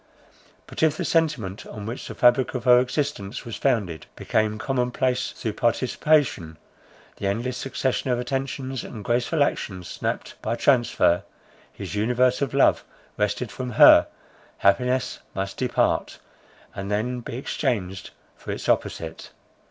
But if the sentiment on which the fabric of her existence was founded, became common place through participation, the endless succession of attentions and graceful action snapt by transfer, his universe of love wrested from her, happiness must depart, and then be exchanged for its opposite.